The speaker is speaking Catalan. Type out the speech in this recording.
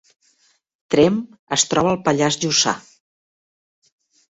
Tremp es troba al Pallars Jussà